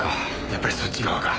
やっぱりそっち側か。